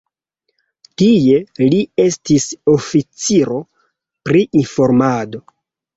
Tie li estis oficiro pri informado.